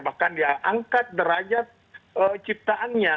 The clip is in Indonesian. bahkan dia angkat derajat ciptaannya